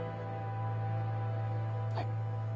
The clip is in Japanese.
はい。